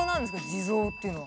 地蔵っていうのは。